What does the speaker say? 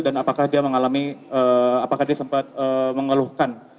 dan apakah dia sempat mengeluhkan